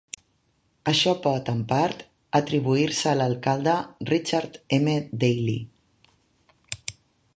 Això pot, en part, atribuir-se a l'alcalde Richard M. Daley.